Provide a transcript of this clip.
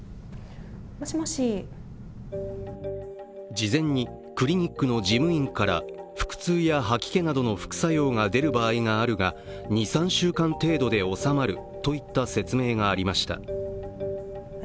事前にクリニックの事務員から腹痛や吐き気などの副作用が出る場合があるが２３週間程度で治まるといった説明がありました。